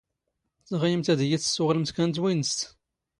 ⵜⵖⵉⵢⵎⵜ ⴰⴷ ⵉⵢⵉ ⴷ ⵜⵙⵙⵓⵖⵍⵎⵜ ⴽⴰ ⵏ ⵜⵡⵉⵏⴰⵙ?